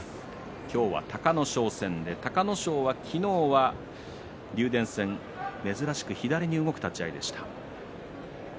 今日は隆の勝戦隆の勝は昨日は竜電戦珍しく左に動く立ち合いでした。